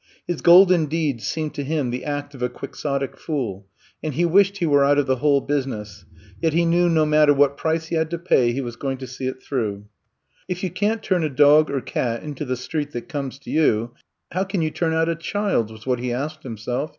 His golden deed seemed to him the act of a quixotic fool and he wished he were out of the whole business; yet he knew no matter what price he had to pay he was going to see it through. If you can^t turn a dog or cat into the street that comes to you, how can you turn out a childf was what he asked himself.